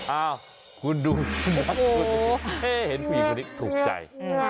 อ้าวคุณดูสุนัขคุณเฮ้เห็นผู้หญิงคนนี้ถูกใจ